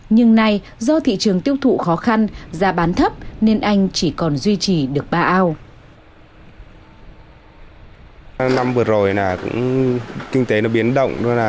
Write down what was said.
nhưng nay do thị trường tiêu thụ khó khăn giá bán thấp nên anh chỉ còn duy trì được ba ao